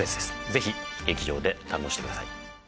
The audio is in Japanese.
ぜひ劇場で堪能してください。